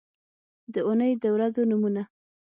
د اونۍ د ورځو نومونه